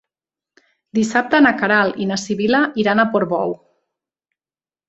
Dissabte na Queralt i na Sibil·la iran a Portbou.